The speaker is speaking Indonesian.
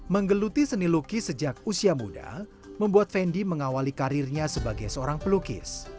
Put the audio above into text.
menggeluti seni lukis sejak usia muda membuat fendi mengawali karirnya sebagai seorang pelukis